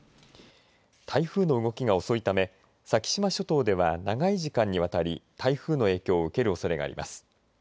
台風の動きが遅いため先島諸島では長い時間にわたり台風の影響を受けるおそれがあります。